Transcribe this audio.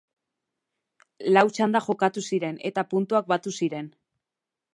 Lau txanda jokatu ziren eta puntuak batu ziren.